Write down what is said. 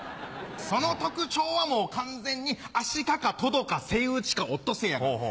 その特徴はもう完全にアシカかトドかセイウチかオットセイやから。